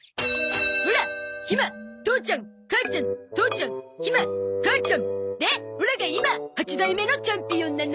オラひま父ちゃん母ちゃん父ちゃんひま母ちゃんでオラが今８代目のチャンピオンなの。